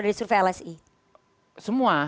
dari survei lsi semua